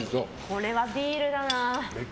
これはビールだな。